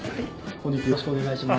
本日よろしくお願いします。